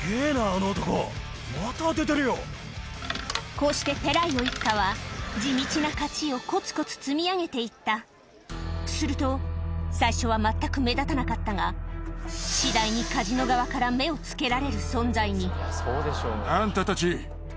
こうしてペライオ一家は地道な勝ちをコツコツ積み上げていったすると最初は全く目立たなかったが次第にカジノ側からみたいだけど。